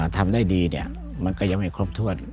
ทำได้ดีมันก็ยังไม่ครบถ้วน